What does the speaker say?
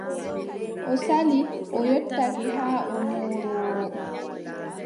O saali, o yottake, haa o mooroowo.